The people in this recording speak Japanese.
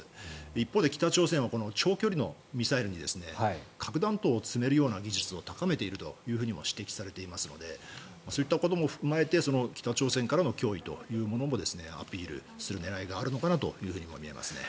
一方で、北朝鮮は長距離のミサイルに核弾頭を積めるような技術を高めているとも指摘されていますのでそういったことも含めて北朝鮮からの脅威というものもアピールする狙いがあるのかなとも見えますね。